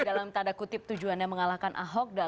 dalam tanda kutip tujuannya mengalahkan ahok